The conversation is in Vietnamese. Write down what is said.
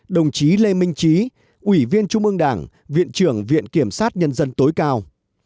hai mươi bảy đồng chí lê minh trí ủy viên trung ương đảng viện trưởng viện kiểm sát nhân dân tối cao